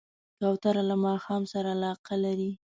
کوتره له ماښام سره علاقه لري.